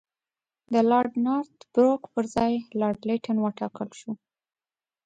د لارډ نارت بروک پر ځای لارډ لیټن وټاکل شو.